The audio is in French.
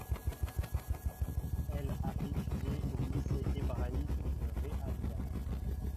Elle a étudié au Lycée hébraïque de Rehaviah.